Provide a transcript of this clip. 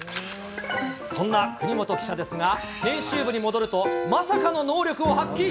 そんな国本記者ですが、編集部に戻るとまさかの能力を発揮。